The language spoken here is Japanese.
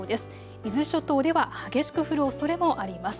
伊豆諸島では激しく降るおそれもあります。